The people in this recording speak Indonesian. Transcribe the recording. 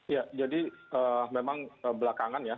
ya jadi memang belakangan ya